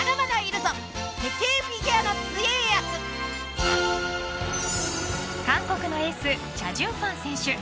無糖韓国のエースチャ・ジュンファン選手。